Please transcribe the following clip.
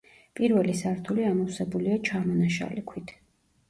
პირველი სართული ამოვსებულია ჩამონაშალი ქვით.